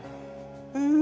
うん。